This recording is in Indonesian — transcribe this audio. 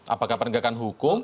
apakah penegakan hukum